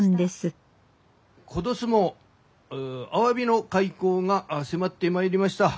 今年もアワビの開口が迫ってまいりました。